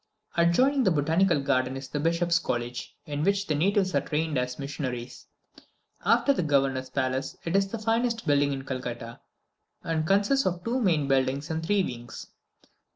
Adjoining the Botanical Garden is the Bishop's College, in which the natives are trained as missionaries. After the Governor's Palace, it is the finest building in Calcutta, and consists of two main buildings and three wings.